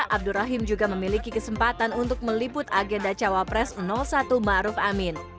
abdur rahim juga memiliki kesempatan untuk meliput agenda cawapres satu ma'ruf amin